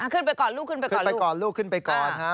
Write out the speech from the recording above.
ขึ้นไปก่อนลูกขึ้นไปก่อน